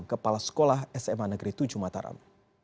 kepala sekolah sma negeri tujuh mataram